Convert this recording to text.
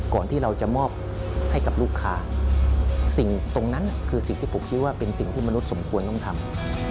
ที่เราจะมอบให้กับลูกค้าสิ่งตรงนั้นคือสิ่งที่ผมคิดว่าเป็นสิ่งที่มนุษย์สมควรต้องทำ